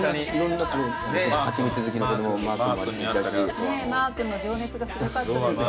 ねぇマー君の情熱がすごかったですよね。